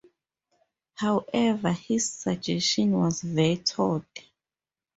However, his suggestion was vetoed.